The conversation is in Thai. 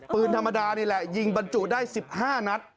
ปืนธรรมดานี่แหละยิงบรรจุได้๑๕นัด